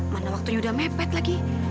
mana waktunya udah mepet lagi